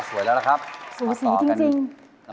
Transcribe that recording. มาสวยแล้วนะครับสูสีจริง